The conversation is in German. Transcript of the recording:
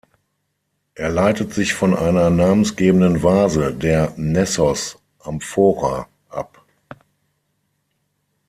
Er leitet sich von einer namensgebenden Vase, der Nessos-Amphora, ab.